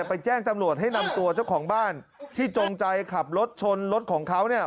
ไปแจ้งตำรวจให้นำตัวเจ้าของบ้านที่จงใจขับรถชนรถของเขาเนี่ย